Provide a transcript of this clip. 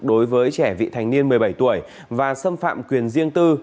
đối với trẻ vị thành niên một mươi bảy tuổi và xâm phạm quyền riêng tư